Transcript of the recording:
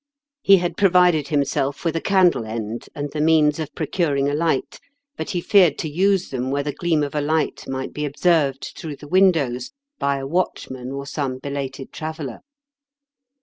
He had provided himself with a candle end and the means of procuring a light, but he feared to use them where the gleam of a light might be observed through the windows by a watchman or some belated traveller.